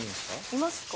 いますか？